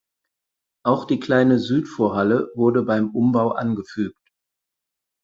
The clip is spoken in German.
Auch die kleine Südvorhalle wurde beim Umbau angefügt.